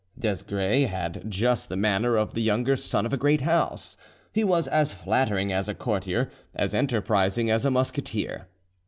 Desgrais had just the manner of the younger son of a great house: he was as flattering as a courtier, as enterprising as a musketeer.